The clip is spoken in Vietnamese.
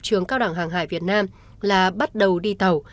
trường cao đẳng hàng hải việt nam là bắt đầu đi tàu